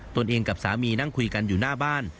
ตัวเองกับสามีนั่งคุยกันอยู่หน้าบ้าน